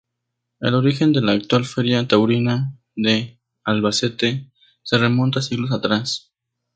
El origen de la actual Feria Taurina de Albacete se remonta siglos atrás.